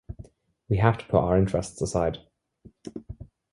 We have to put our interests aside.